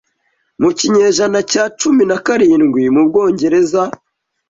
Mu kinyejana cya cumi na karindwi mu Bwongereza